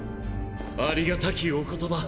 ありがたきお言葉。